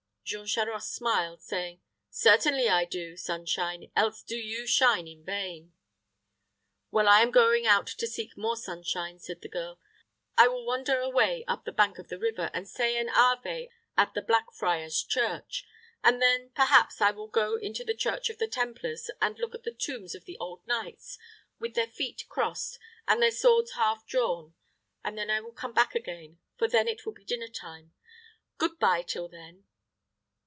Jean Charost smiled, saying, "Certainly I do, Sunshine, else do you shine in vain." "Well, I am going out to seek more sunshine," said the girl. "I will wander away up the bank of the river, and say an ave at the Blackfriars' Church. And then, perhaps, I will go into the Church of the Templar's, and look at the tombs of the old knights, with their feet crossed, and their swords half drawn; and then I will come back again; for then it will be dinner time. Good by till then."